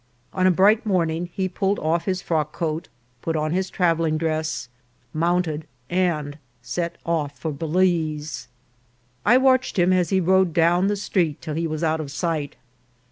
On a bright morning he pulled off his frockcoat, put on his travelling dress, mounted, and set off for Balize. I watched him as he rode down the street till he was out of sight.